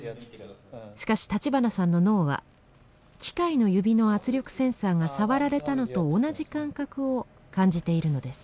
しかし立花さんの脳は機械の指の圧力センサーが触られたのと同じ感覚を感じているのです。